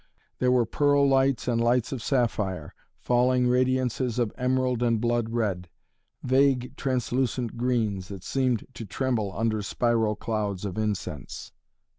There were pearl lights and lights of sapphire; falling radiances of emerald and blood red; vague translucent greens, that seemed to tremble under spiral clouds of incense.